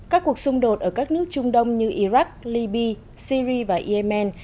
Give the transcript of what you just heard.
các cuộc xung đột ở các nước trung đông như iraq libya syri và yemen